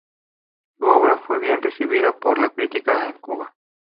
Su obra fue bien recibida por la crítica en Cuba.